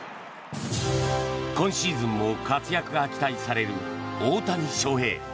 今シーズンも活躍が期待される大谷翔平。